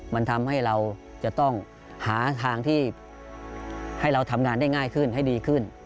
มันทำให้เราจะต้องหาทางที่ให้เราทำงานได้ง่ายขึ้นให้ดีขึ้น